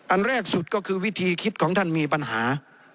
อันแรกสุดก็คือวิธีคิดของท่านมีปัญหา